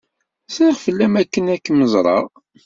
Zziɣ fell-am akken ad kem-ẓreɣ.